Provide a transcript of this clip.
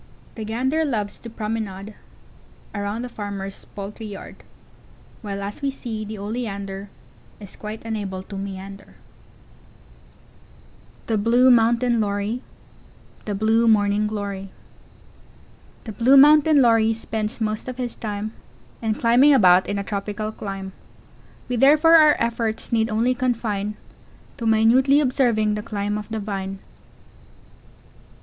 ] The Gander loves to promenade, Around the farmer's poultry yard, While, as we see, the Oleander Is quite unable to meander. The Blue Mountain Lory. The Blue Morning Glory. [Illustration: The Blue Mountain Lory. The Blue Morning Glory.] The Blue Mountain Lory spends most of his time In climbing about in a tropical clime; We therefore our efforts need only confine, To minutely observing the climb of the Vine.